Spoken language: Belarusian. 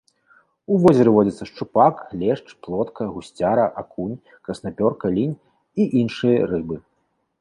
У возеры водзяцца шчупак, лешч, плотка, гусцяра, акунь, краснапёрка, лінь і іншыя рыбы.